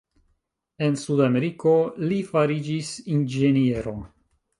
En Sudameriko li fariĝis inĝeniero.